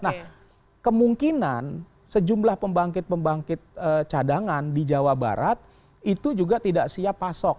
nah kemungkinan sejumlah pembangkit pembangkit cadangan di jawa barat itu juga tidak siap pasok